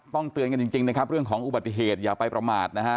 เตือนกันจริงนะครับเรื่องของอุบัติเหตุอย่าไปประมาทนะฮะ